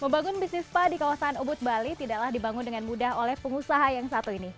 membangun bisnis spa di kawasan ubud bali tidaklah dibangun dengan mudah oleh pengusaha yang satu ini